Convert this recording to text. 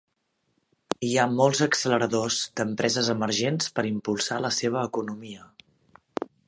Hi ha molts acceleradors d'empreses emergents per impulsar la seva economia.